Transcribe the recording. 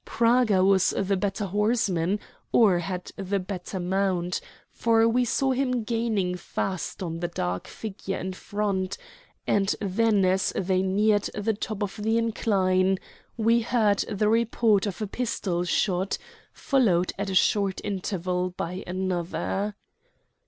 Praga was the better horseman or had the better mount, for we saw him gaining fast on the dark figure in front, and then as they neared the top of the incline we heard the report of a pistol shot, followed at a short interval by another.